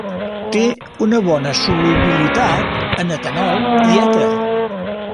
Té una bona solubilitat en etanol i èter.